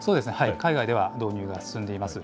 海外では導入が進んでいます。